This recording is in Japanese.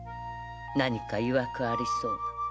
何か曰くありそうな